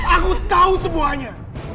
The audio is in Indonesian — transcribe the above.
aku tahu semuanya